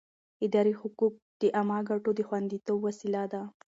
اداري حقوق د عامه ګټو د خوندیتوب وسیله ده.